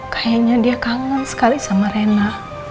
kayaknya dia kangen sekali sama rena